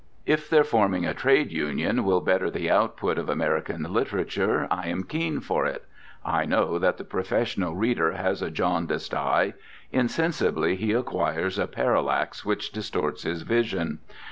If their forming a trade union will better the output of American literature I am keen for it. I know that the professional reader has a jaundiced eye; insensibly he acquires a parallax which distorts his vision.